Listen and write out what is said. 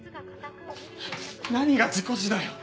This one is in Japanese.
何が事故死だよ。